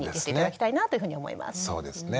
そうですね。